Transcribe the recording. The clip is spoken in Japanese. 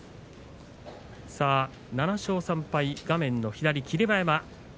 ７勝３敗、画面の左霧馬山。